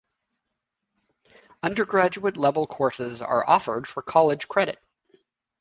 Undergraduate-level courses are offered for college credit.